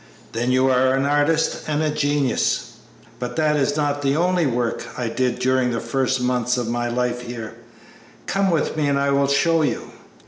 "Then you are an artist and a genius." "But that is not the only work I did during the first months of my life here. Come with me and I will show you."